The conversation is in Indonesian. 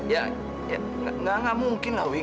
ya gak mungkin lah wik